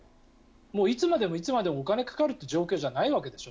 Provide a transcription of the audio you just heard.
いつまでもいつまでもお金がかかるという状況じゃないわけでしょ。